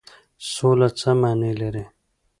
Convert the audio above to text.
سوله څه معنی لري؟